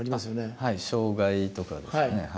はい障害とかですかね。